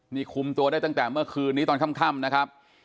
นี่คุมตัวได้ตั้งแต่เมื่อคืนนี้ตอนค่ำนะครับ